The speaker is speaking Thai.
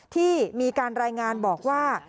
ที่มีการรายงานบอกว่า